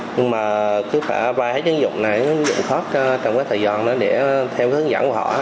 nhưng mà cứ phải vay hết dụng này dụng khóa trong cái thời gian đó để theo hướng dẫn của họ